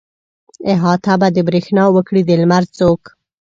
احاطه به د برېښنا وکړي د لمر څوک.